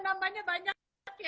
ada namanya banyak